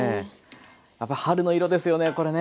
やっぱ春の色ですよねこれね。